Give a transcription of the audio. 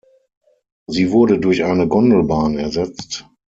Sie wurde durch eine Gondelbahn ersetzt.